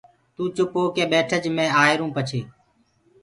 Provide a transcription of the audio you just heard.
تو چُپ هوڪي ٻيٺج مي آهيروٚ پڇي